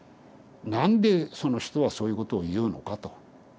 なんでその人はそういうことを言うのかと。